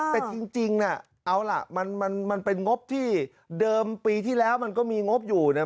แต่จริงน่ะเอาล่ะมันเป็นงบที่เดิมปีที่แล้วมันก็มีงบอยู่เนี่ย